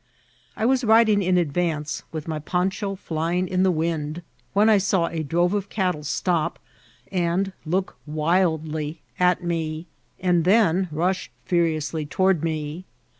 I was riding in advance, with my poncha flying in the wind, when I saw a drove of cattle stop and look wildly at me, and then rush furiously toward me.